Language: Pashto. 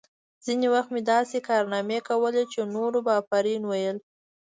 ځینې وخت مې داسې کارنامې کولې چې نورو به آفرین ویل